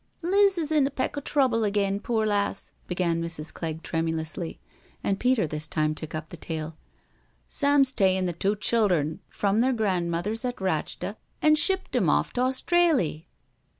" Liz is in a peck o' troubles agen, pore lass," began Mrs. Clegg tremulously, and Peter this time took up the tale: " Sam's ta'en the two childher from their gran' mother's at Ratchda* an' shippt 'em off t' Australy."